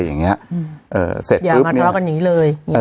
อย่ามันเบื่อกันหนี่เลย